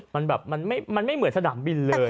มันแบบมันไม่เหมือนสนามบินเลย